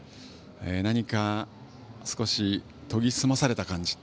何か少し研ぎ澄まされた感じ。